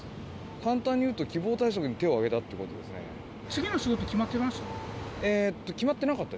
簡単に言うと、希望退職に手を挙次の仕事決まってました？